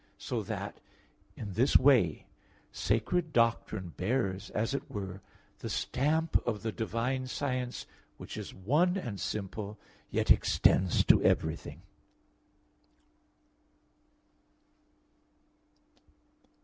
So that in this way, sacred doctrine bears, as it were, the stamp of the divine science which is one and simple, yet extends to everything.